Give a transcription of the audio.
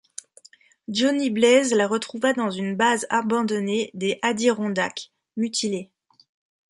Johnny Blaze la retrouva dans une base abandonnée des Adirondacks, mutilée.